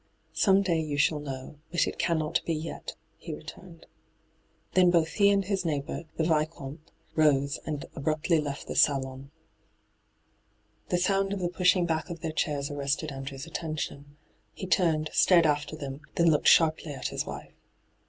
Some day you shall know ; but it cannot be yet,' he returned. Then both he and his neighbour, the Vicomte, rose and abruptly left the saloon. The sound of the pushing back of their chairs arrested Andrew's attention. He turned, stared after them, then looked sharply at his wife.